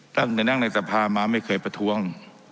ตั้งแต่นั่งในสภามาไม่เคยประท้วง